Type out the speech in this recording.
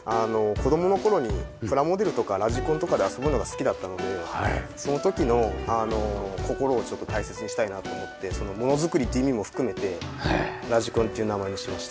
子供の頃にプラモデルとかラジコンとかで遊ぶのが好きだったのでその時の心をちょっと大切にしたいなと思ってものづくりという意味も含めてラジコンっていう名前にしました。